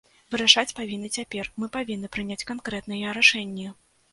Вырашаць павінны цяпер, мы павінны прыняць канкрэтныя рашэнні.